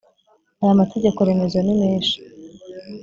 aya mategeko remezo nimeshi.